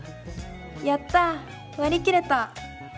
やった割り切れた！